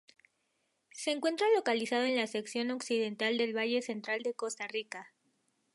Se encuentra localizado en la sección occidental del Valle Central de Costa Rica.